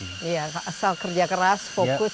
iya asal kerja keras fokus